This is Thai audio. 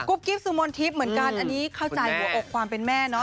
กรุ๊ปกิ๊บสูมนต์ทิปเหมือนกันอันนี้เข้าใจหัวอกความเป็นแม่เนอะ